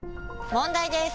問題です！